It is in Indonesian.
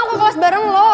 kita mau ke kelas bareng lo